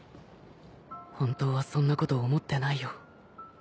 本当はそんなこと思ってないよ。